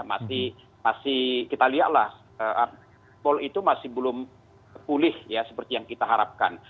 masih kita lihat lah mall itu masih belum pulih ya seperti yang kita harapkan